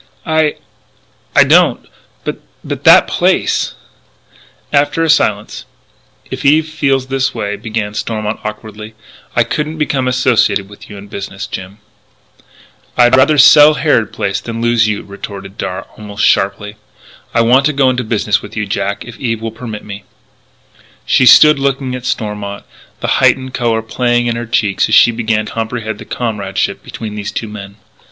"I don't. But but that place " After a silence: "If Eve feels that way," began Stormont awkwardly, "I couldn't become associated with you in business, Jim " "I'd rather sell Harrod Place than lose you!" retorted Darragh almost sharply. "I want to go into business with you, Jack if Eve will permit me " She stood looking at Stormont, the heightened colour playing in her cheeks as she began to comprehend the comradeship between these two men.